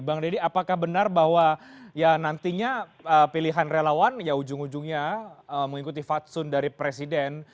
bang deddy apakah benar bahwa nantinya pilihan relawan ujung ujungnya mengikuti fatsoen dari presiden